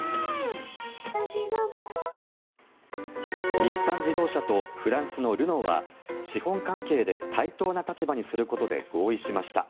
日産自動車とフランスのルノーは資本関係で対等な立場にすることで合意しました。